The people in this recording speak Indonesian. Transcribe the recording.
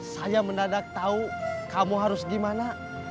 saya mendadak tahu kamu harus gimana